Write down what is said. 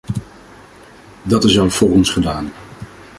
Dat is al voor ons gedaan.